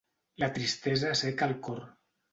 La tristesa asseca el cor.